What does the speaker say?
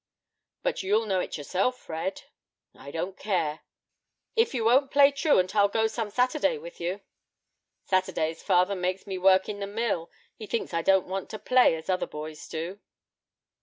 "But you'll know it yourself, Fred." "I don't care." "If you won't play truant, I'll go some Saturday with you." "Saturdays father makes me work in the mill; he thinks I don't want to play, as other boys do."